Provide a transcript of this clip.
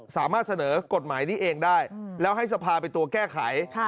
สามารถเสนอกฎหมายนี้เองได้แล้วให้สภาเป็นตัวแก้ไข